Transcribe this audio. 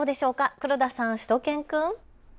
黒田さん、しゅと犬くん。